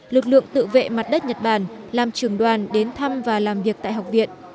lực lượng tự vệ mặt đất nhật bản làm trưởng đoàn đến thăm và làm việc tại học viện